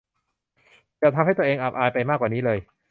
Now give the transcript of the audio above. อย่าทำให้ตัวเองอับอายไปมากกว่านี้เลย